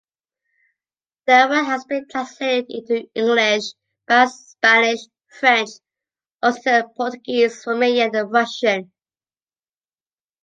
Their work has been translated into English, Basque, Spanish, French, Occitan, Portuguese, Romanian and Russian.